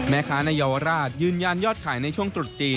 แม่ค้าในเยาวราชยืนยันยอดขายในช่วงตรุษจีน